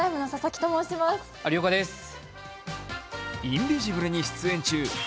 「インビジブル」に出演中Ｈｅｙ！